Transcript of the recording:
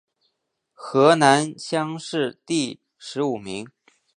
河南乡试第十五名。